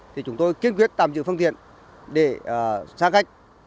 thì chúng tôi kiên quyết tạm giữ phương tiện để xác khách